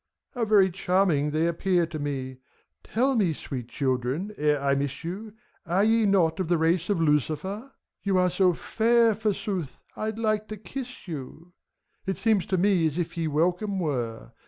How very charming they appear to me! — Tell me, sweet children, ere I miss you. Are ye not of the race of Lucifer t You are so fair, forsooth, I'd like to kiss you ; It seems to me as if ye welcome were.